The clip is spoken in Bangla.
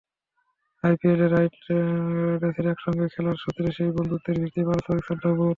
আইপিএলে নাইট রাইডার্সে একসঙ্গে খেলার সূত্রে সেই বন্ধুত্বের ভিত্তি পারস্পরিক শ্রদ্ধাবোধ।